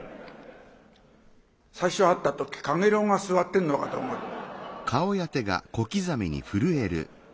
最初会った時かげろうが座ってんのかと思った。